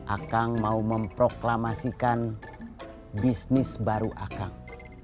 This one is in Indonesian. akang mau memproklamasikan bisnis baru akang